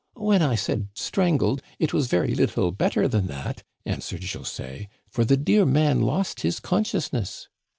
"When I said strangled, it was very little better than that/* answered José," for the dear man lost his consciousness.